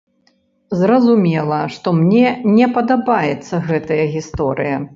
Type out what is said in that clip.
Зразумела, што мне не падабаецца гэтая гісторыя.